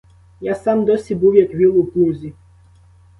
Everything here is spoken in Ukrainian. Я сам досі був як віл у плузі.